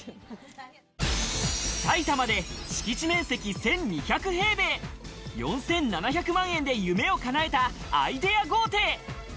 埼玉で敷地面積１２００平米、４７００万円で夢をかなえたアイデア豪邸。